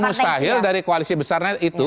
mustahil dari koalisi besarnya itu